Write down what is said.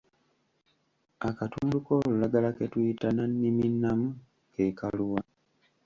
Akatundu k'olulagala ke tuyita nnanniminnamu ke kaluwa?